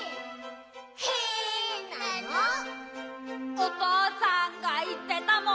「おとうさんがいってたもん」